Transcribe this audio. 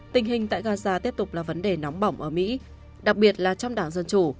tình hình tại gaza tiếp tục là vấn đề nóng bỏng ở mỹ đặc biệt là trong đảng dân chủ